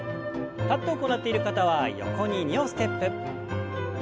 立って行っている方は横に２歩ステップ。